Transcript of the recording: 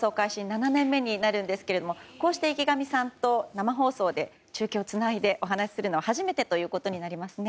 ７年目になるんですがこうして池上さんと生放送で中継をつないでお話をするのは初めてということになりますね。